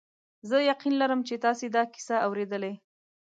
زه یقین لرم چې تاسي دا کیسه اورېدلې.